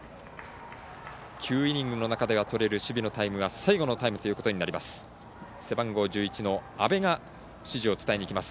９イニングの中でとれる守備のタイムは最後のタイムということになります。